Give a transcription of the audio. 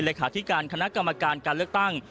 เลขาธิการคณะกรรมการการเลือกตั้ง